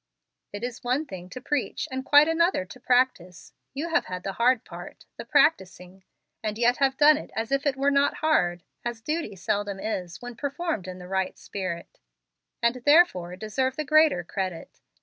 It is one thing to preach, and quite another to practise. You have had the hard part, the practising, and yet have done it as if it were not hard, as duty seldom is when performed in the right spirit; and therefore deserve the greater credit.